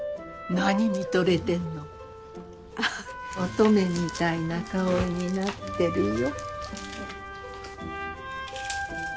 乙女みたいな顔になってるよ。